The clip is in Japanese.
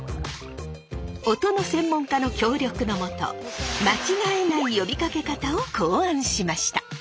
音の専門家の協力のもと間違えない呼びかけ方を考案しました。